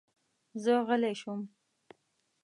زه غلی شوم.